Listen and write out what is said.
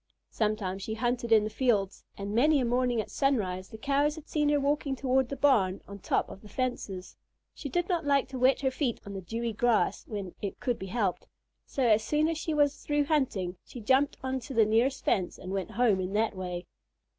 Sometimes she hunted in the fields, and many a morning at sunrise the Cows had seen her walking toward the barn on the top of the fences. She did not like to wet her feet on the dewy grass when it could be helped; so, as soon as she was through hunting, she jumped on to the nearest fence and went home in that way.